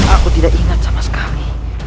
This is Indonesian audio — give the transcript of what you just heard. aku tidak ingat sama sekali